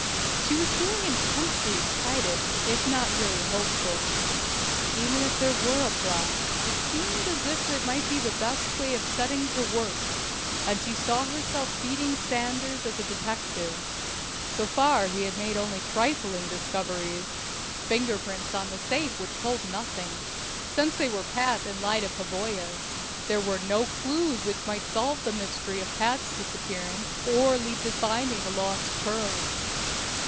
She was feeling intensely excited, if not really hopeful. Even if there were a plot, it seemed as if this might be the best way of setting to work, and she saw herself beating Sanders as a detective. So far he had made only trifling discoveries: fingerprints on the safe which told nothing, since they were Pat's and Lyda Pavoya's; there were no clues which might solve the mystery of Pat's disappearance, or lead to finding the lost pearls.